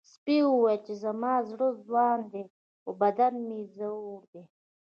سپي وویل چې زما زړه ځوان دی خو بدن مې زوړ دی.